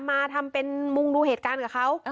มาทำเป็นมุงดูเหตุการณ์กับเขา